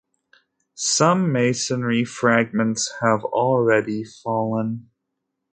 Some masonry fragments have already fallen.